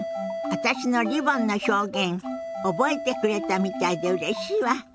私のリボンの表現覚えてくれたみたいでうれしいわ。